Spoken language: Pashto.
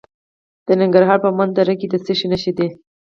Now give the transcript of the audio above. د ننګرهار په مومند دره کې د څه شي نښې دي؟